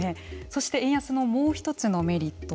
そして円安のもう一つのメリット。